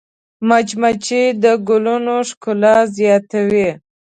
مچمچۍ د ګلونو ښکلا زیاتوي